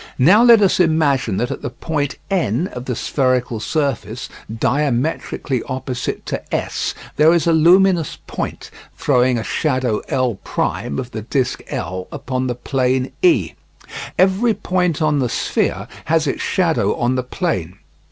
Now let us imagine that at the point N of the spherical surface, diametrically opposite to S, there is a luminous point, throwing a shadow L' of the disc L upon the plane E. Every point on the sphere has its shadow on the plane.